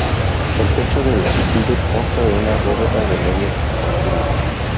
El techo del ábside consta de una bóveda de media cúpula.